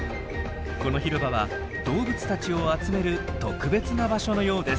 この広場は動物たちを集める特別な場所のようです。